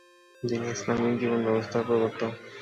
তিনি ইসলামি জীবনব্যবস্থার প্রবর্তক।